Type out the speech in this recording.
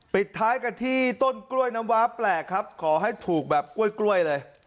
ปิดท้ายกันที่ต้นกล้วยน้ำว้าแปลกครับขอให้ถูกแบบกล้วยเลย